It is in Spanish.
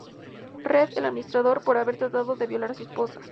Reed, el administrador, por haber tratado de violar a su esposa.